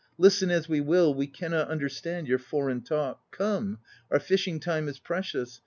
Listen as we will, we cannot understand Your foreign talk. Come, our fishing time is precious.